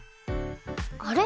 あれ？